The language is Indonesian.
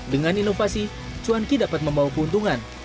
dengan inovasi cuanki dapat membawa keuntungan